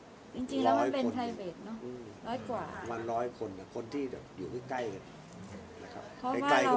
ประมาณ๑๐๐คนแต่คนที่อยู่ให้ไกลกัน